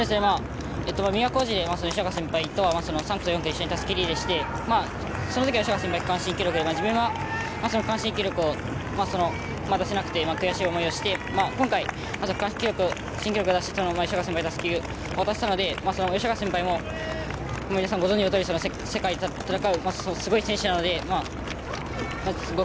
都大路で吉岡先輩と３区と４区で一緒にたすきリレーをしてその時は、先輩は区間新記録で自分は区間新記録を出せなくて悔しい思いをして今回、また区間の新記録を出してたすきを渡せたので吉岡先輩も皆さんご存じのとおり世界と戦うすごい選手なので。